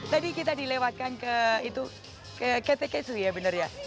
tadi kita dilewatkan ke ktk suria benar ya